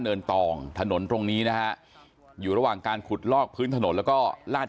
ตองถนนตรงนี้นะฮะอยู่ระหว่างการขุดลอกพื้นถนนแล้วก็ลาด